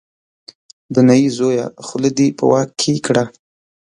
د نايي زویه خوله دې په واک کې کړه.